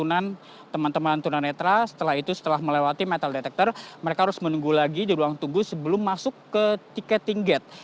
jadi tentu saja tentuanan teman teman tunanetra setelah itu setelah melewati metal detector mereka harus menunggu lagi di ruang tunggu sebelum masuk ke ticketing gate